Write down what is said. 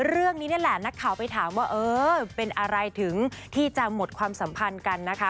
เรื่องนี้นี่แหละนักข่าวไปถามว่าเออเป็นอะไรถึงที่จะหมดความสัมพันธ์กันนะคะ